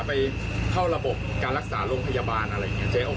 ไปเข้าระบบการรักษาโรงพยาบาลอะไรอย่างนี้